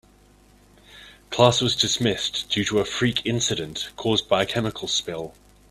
Class was dismissed due to a freak incident caused by a chemical spill.